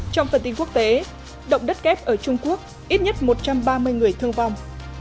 trong phần tin quốc tế động đất kép ở trung quốc ít nhất một trăm ba mươi người thương vong